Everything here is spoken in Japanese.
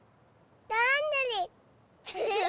どんぐり！